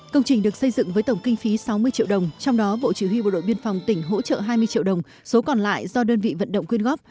công trình được xây dựng với tổng kinh phí sáu mươi triệu đồng trong đó bộ chỉ huy bộ đội biên phòng tỉnh hỗ trợ hai mươi triệu đồng số còn lại do đơn vị vận động quyên góp